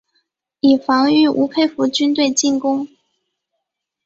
以防御吴佩孚军队进攻。